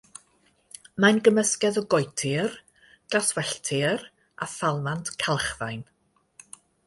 Mae'n gymysgedd o goetir, glaswelltir a phalmant calchfaen.